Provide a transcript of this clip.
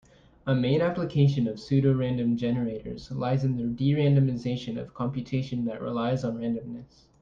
A main application of pseudorandom generators lies in the de-randomization of computation that relies on randomness.